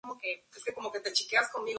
Un ejemplo de esto sería una calumnia.